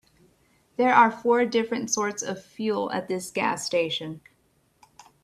There are four different sorts of fuel at this gas station.